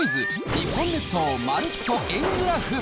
日本列島まるっと円グラフ。